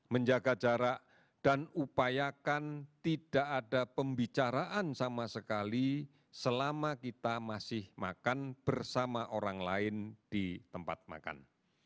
menjaga jarak dan upayakan tidak ada pembicaraan sama sekali selama kita masih makan bersama orang lain di tempat makan